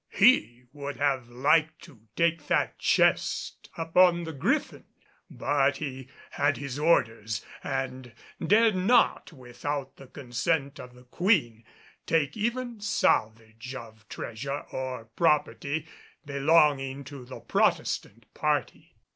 He would have liked to take that chest upon the Griffin. But he had his orders and dared not without the consent of the Queen take even salvage of treasure or property belonging to the Protestant party.